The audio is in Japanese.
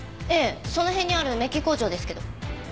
その辺にあるメッキ工場ですけど。